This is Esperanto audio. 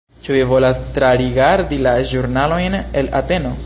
Ĉu vi volas trarigardi la ĵurnalojn el Ateno?